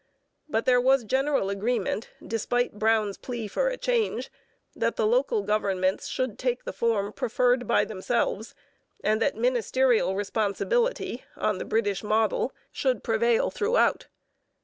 But there was general agreement, despite Brown's plea for a change, that the local governments should take the form preferred by themselves and that ministerial responsibility on the British model should prevail throughout.